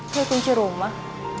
kayak kunci rumah